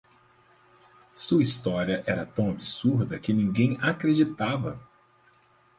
Sua história era tão absurda que ninguém acreditava.